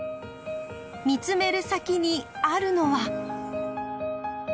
見つめる先にあるのは。